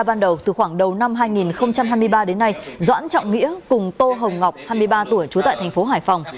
cơ quan cảnh sát điều tra ban đầu từ khoảng đầu năm hai nghìn hai mươi ba đến nay doãn trọng nghĩa cùng tô hồng ngọc hai mươi ba tuổi trú tại thành phố hải phòng